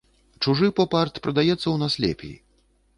Чужы поп-арт прадаецца ў нас лепей.